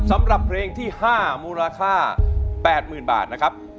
สำหรับเพลงที่๕มูลค่า๘๐๐๐บาทนะครับ